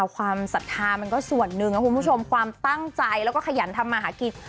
ความศรัทธามันก็ส่วนหนึ่งนะคุณผู้ชมความตั้งใจแล้วก็ขยันทำมาหากิน